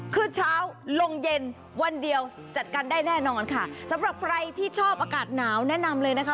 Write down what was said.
คือเช้าลงเย็นวันเดียวจัดการได้แน่นอนค่ะสำหรับใครที่ชอบอากาศหนาวแนะนำเลยนะคะ